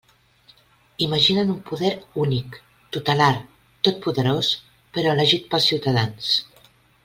Imaginen un poder únic, tutelar, totpoderós, però elegit pels ciutadans.